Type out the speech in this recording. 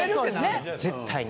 絶対に。